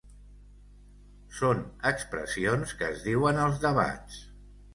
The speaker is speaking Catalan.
Són expressions que es diuen als debats